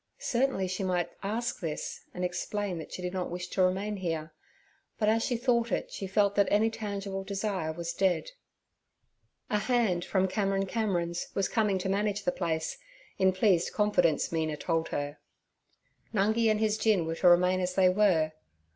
Certainly she might ask this, and explain that she did not wish to remain here; but as she thought it she felt that any tangible desire was dead. A 'hand' from Cameron Cameron's was coming to manage the place, in pleased confidence Mina told her; Nungi and his gin were to remain as they were.